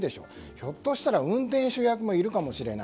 ひょっとしたら運転手役もいるかもしれない。